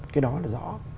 cái đó là rõ